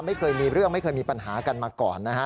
ไม่เคยมีเรื่องไม่เคยมีปัญหากันมาก่อนนะฮะ